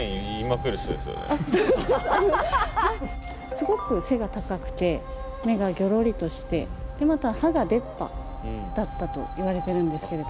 すごく背が高くて目がギョロリとしてまた歯が出っ歯だったといわれてるんですけれども。